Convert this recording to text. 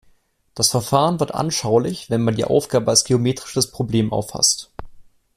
Das Verfahren wird anschaulich, wenn man die Aufgabe als geometrisches Problem auffasst.